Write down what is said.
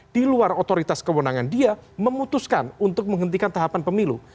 di luar otoritas kewenangan dia memutuskan untuk menghentikan tahapan pemilu